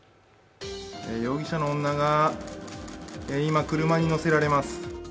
容疑者の女が今、車に乗せられます。